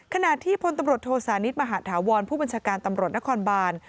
ขณะที่พลตำรวจโทษานิทมหาธาวรผู้บัญชาการตำรวจนครบาน